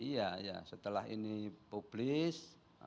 iya setelah ini publik